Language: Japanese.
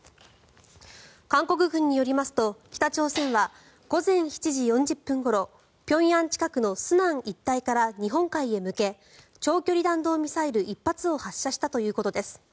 韓国軍によりますと、北朝鮮は午前７時４０分ごろ平壌近くの順安一帯から日本海へ向け長距離弾道ミサイル１発を発射したということです。